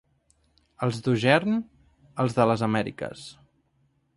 Els d'Ogern, els de les Amèriques.